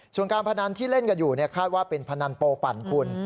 ส่วนการพนันที่เล่นกันอยู่คาดว่าเป็นพนันโปปั่นคุณ